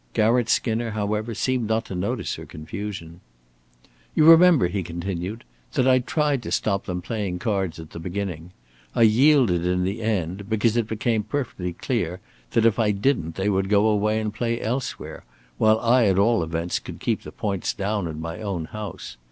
Garratt Skinner, however, seemed not to notice her confusion. "You remember," he continued, "that I tried to stop them playing cards at the beginning. I yielded in the end, because it became perfectly clear that if I didn't they would go away and play elsewhere, while I at all events could keep the points down in my own house.